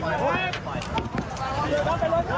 ขอบคุณนะครับ